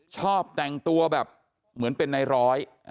ชอบแต่งตัวแบบเหมือนเป็นในร้อย